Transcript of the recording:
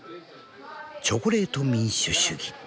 チョコレート民主主義。